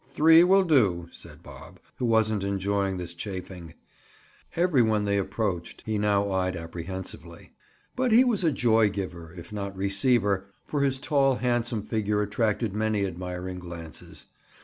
"Three will do," said Bob, who wasn't enjoying this chaffing. Every one they approached he now eyed apprehensively. But he was a joy giver, if not receiver, for his tall handsome figure attracted many admiring glances.